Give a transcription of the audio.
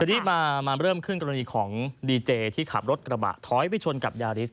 ทีนี้มาเริ่มขึ้นกรณีของดีเจที่ขับรถกระบะถอยไปชนกับยาริส